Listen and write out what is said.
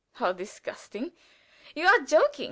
"How! disgusting? You are joking.